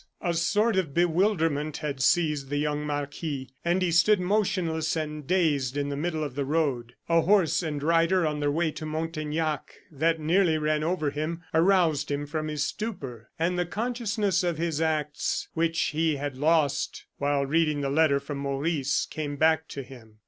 A sort of bewilderment had seized the young marquis, and he stood motionless and dazed in the middle of the road. A horse and rider on their way to Montaignac, that nearly ran over him, aroused him from his stupor, and the consciousness of his acts, which he had lost while reading the letter from Maurice, came back to him.